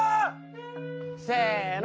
せの。